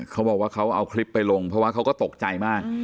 เขาบอกว่าเขาเอาคลิปไปลงเพราะว่าเขาก็ตกใจมาก